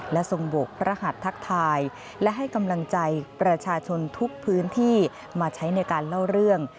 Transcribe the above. และทรงโบกพระหัสทักทายและให้กำลังใจประชาชนทุกพื้นที่มาใช้ในการเล่าเรื่อง